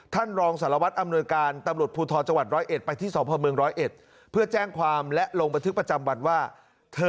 ท่านรองสารวัฒน์อำนวยการตำรวจภูทธอจังหวัด๑๐๑